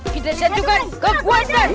kita senjukan kekuatan